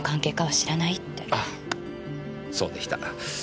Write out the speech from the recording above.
あっそうでした。